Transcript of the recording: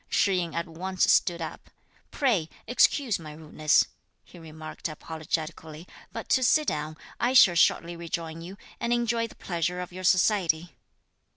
Shih yin at once stood up. "Pray excuse my rudeness," he remarked apologetically, "but do sit down; I shall shortly rejoin you, and enjoy the pleasure of your society."